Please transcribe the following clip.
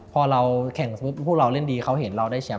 พอเราแข่งสมมุติพวกเราเล่นดีเขาเห็นเราได้แชมป